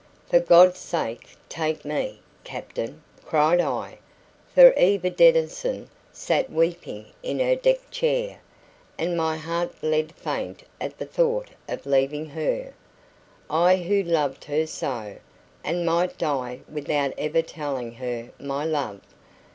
For God's sake take me, captain!" cried I; for Eva Denison sat weeping in her deck chair, and my heart bled faint at the thought of leaving her, I who loved her so, and might die without ever telling her my love!